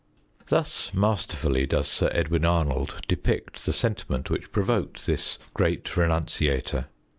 Thus masterfully does Sir Edwin Arnold depict the sentiment which provoked this Great Renunciator.